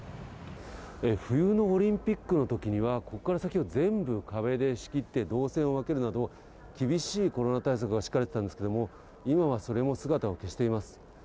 冬のオリンピックのときには、ここから先は全部壁で仕切って動線を分けるなど、厳しいコロナ対策が敷かれてたんですけど、今はそれも姿を消しています。